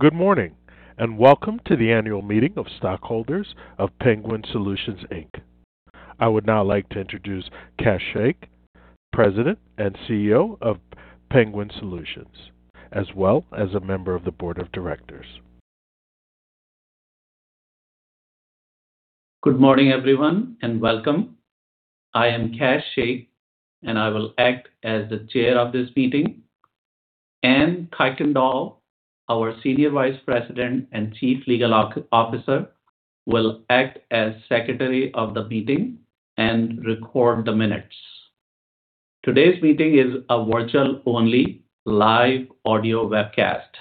Good morning, and welcome to the Annual Meeting of Stockholders of Penguin Solutions, Inc. I would now like to introduce Kash Shaikh, President and CEO of Penguin Solutions, as well as a member of the Board of Directors. Good morning, everyone, and welcome. I am Kash Shaikh, and I will act as the Chair of this meeting. Anne Kuykendall, our Senior Vice President and Chief Legal Officer, will act as Secretary of the meeting and record the minutes. Today's meeting is a virtual-only live audio webcast,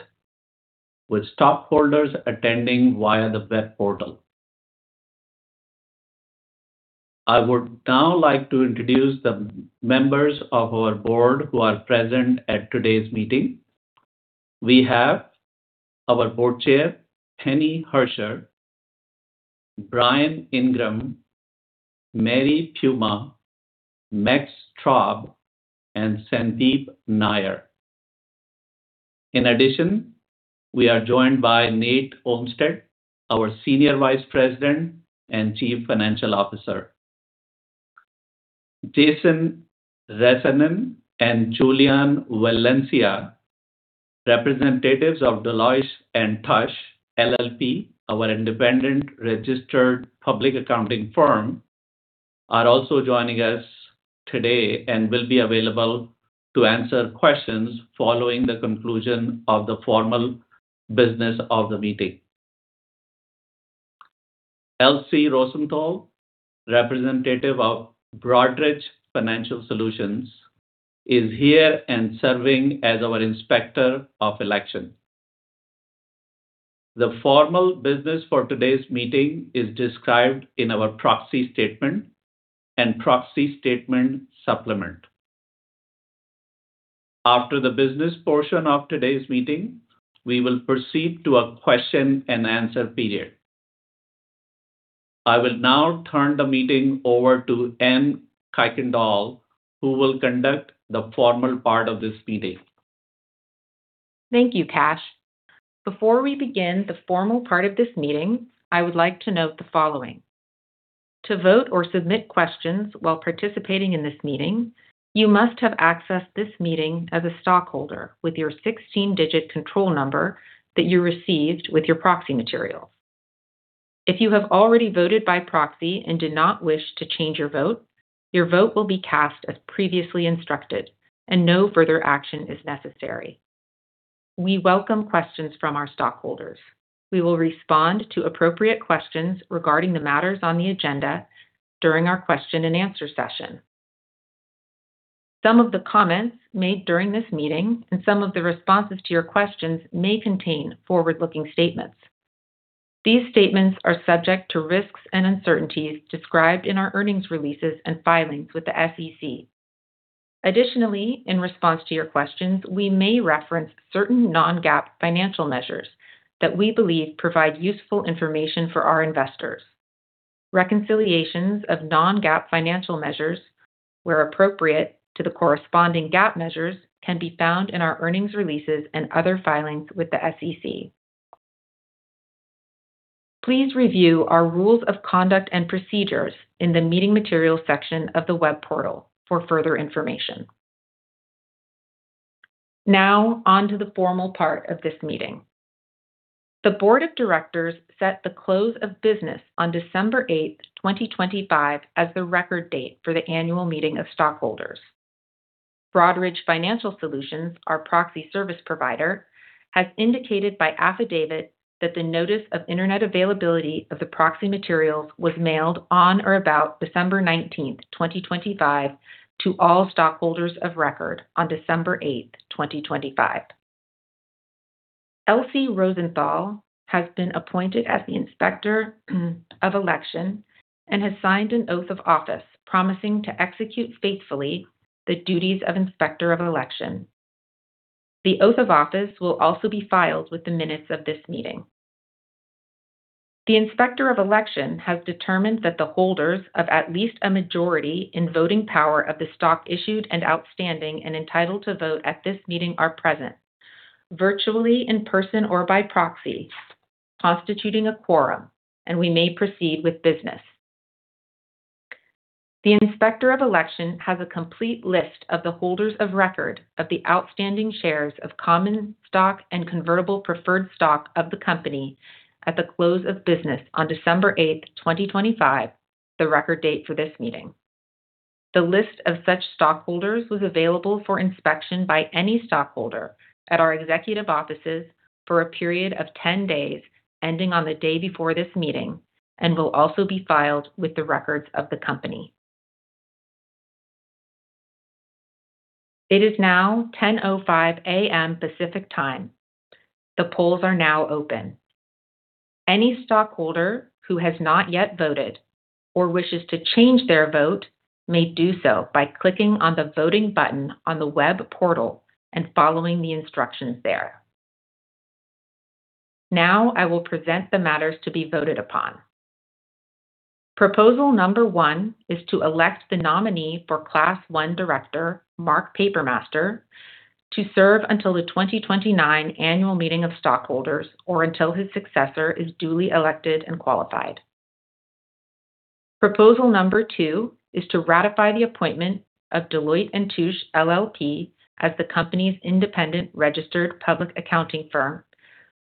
with stockholders attending via the web portal. I would now like to introduce the members of our board who are present at today's meeting. We have our Board Chair, Penny Herscher, Bryan Ingram, Mary Puma, Max Straub, and Sandeep Nayyar. In addition, we are joined by Nate Olmstead, our Senior Vice President and Chief Financial Officer. Jason Rasanen and Julian Valencia, representatives of Deloitte & Touche LLP, our independent registered public accounting firm, are also joining us today and will be available to answer questions following the conclusion of the formal business of the meeting. Elsie Rosenthal, representative of Broadridge Financial Solutions, is here and serving as our Inspector of Election. The formal business for today's meeting is described in our proxy statement and proxy statement supplement. After the business portion of today's meeting, we will proceed to a question-and-answer period. I will now turn the meeting over to Anne Kuykendall, who will conduct the formal part of this meeting. Thank you, Kash. Before we begin the formal part of this meeting, I would like to note the following: To vote or submit questions while participating in this meeting, you must have accessed this meeting as a stockholder with your 16-digit control number that you received with your proxy materials. If you have already voted by proxy and do not wish to change your vote, your vote will be cast as previously instructed, and no further action is necessary. We welcome questions from our stockholders. We will respond to appropriate questions regarding the matters on the agenda during our question-and-answer session. Some of the comments made during this meeting and some of the responses to your questions may contain forward-looking statements. These statements are subject to risks and uncertainties described in our earnings releases and filings with the SEC. Additionally, in response to your questions, we may reference certain Non-GAAP financial measures that we believe provide useful information for our investors. Reconciliations of Non-GAAP financial measures, where appropriate to the corresponding GAAP measures, can be found in our earnings releases and other filings with the SEC. Please review our rules of conduct and procedures in the Meeting Materials section of the web portal for further information. Now, on to the formal part of this meeting. The Board of Directors set the close of business on December 8, 2025, as the record date for the annual meeting of stockholders. Broadridge Financial Solutions, our proxy service provider, has indicated by affidavit that the notice of internet availability of the proxy materials was mailed on or about December 19th, 2025, to all stockholders of record on December 8th, 2025. LC Rosenthal has been appointed as the Inspector of Election and has signed an oath of office, promising to execute faithfully the duties of Inspector of Election. The oath of office will also be filed with the minutes of this meeting. The Inspector of Election has determined that the holders of at least a majority in voting power of the stock issued and outstanding and entitled to vote at this meeting are present, virtually, in person, or by proxy, constituting a quorum, and we may proceed with business. The Inspector of Election has a complete list of the holders of record of the outstanding shares of common stock and convertible preferred stock of the company at the close of business on December 8th, 2025, the record date for this meeting. The list of such stockholders was available for inspection by any stockholder at our executive offices for a period of 10 days, ending on the day before this meeting, and will also be filed with the records of the company. It is now 10:05 A.M. Pacific Time. The polls are now open. Any stockholder who has not yet voted or wishes to change their vote may do so by clicking on the voting button on the web portal and following the instructions there. Now I will present the matters to be voted upon. Proposal number one is to elect the nominee for Class 1 Director, Mark Papermaster, to serve until the 2029 Annual Meeting of Stockholders or until his successor is duly elected and qualified. Proposal two is to ratify the appointment of Deloitte & Touche LLP as the company's independent registered public accounting firm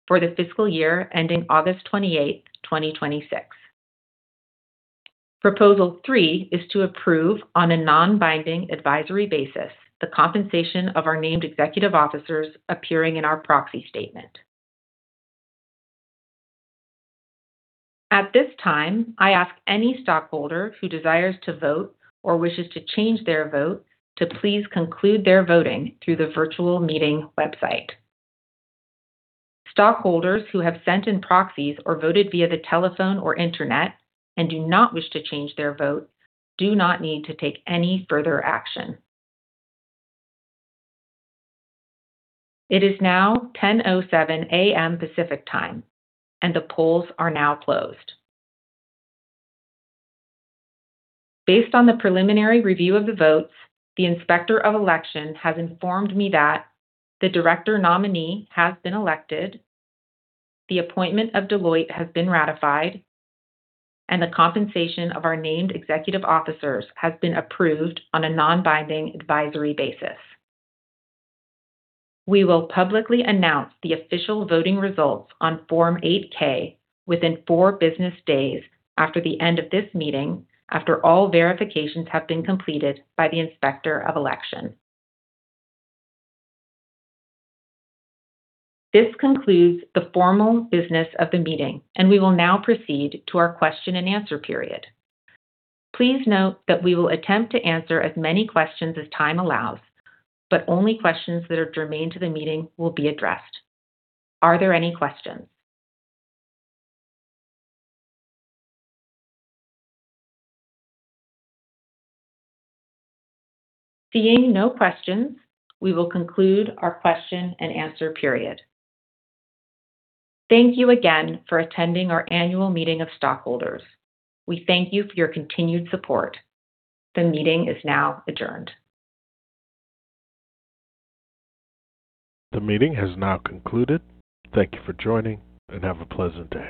for the fiscal year ending August 28th, 2026. Proposal three is to approve, on a non-binding advisory basis, the compensation of our named executive officers appearing in our proxy statement. At this time, I ask any stockholder who desires to vote or wishes to change their vote to please conclude their voting through the virtual meeting website. Stockholders who have sent in proxies or voted via the telephone or internet and do not wish to change their vote, do not need to take any further action. It is now 10:07 A.M. Pacific Time, and the polls are now closed. Based on the preliminary review of the votes, the Inspector of Election has informed me that the director nominee has been elected, the appointment of Deloitte has been ratified, and the compensation of our named executive officers has been approved on a non-binding advisory basis. We will publicly announce the official voting results on Form 8-K within four business days after the end of this meeting, after all verifications have been completed by the Inspector of Election. This concludes the formal business of the meeting, and we will now proceed to our question and answer period. Please note that we will attempt to answer as many questions as time allows, but only questions that are germane to the meeting will be addressed. Are there any questions? Seeing no questions, we will conclude our question and answer period. Thank you again for attending our annual meeting of stockholders. We thank you for your continued support. The meeting is now adjourned. The meeting has now concluded. Thank you for joining, and have a pleasant day.